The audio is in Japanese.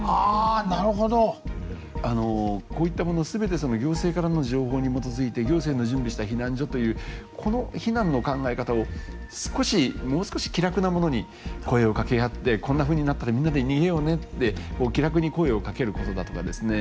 あのこういったもの全て行政からの情報に基づいて行政の準備した避難所というこの避難の考え方を少しもう少し気楽なものに声をかけ合ってこんなふうになったらみんなで逃げようねって気楽に声をかけることだとかですね